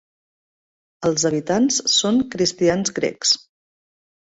Els habitants són cristians grecs.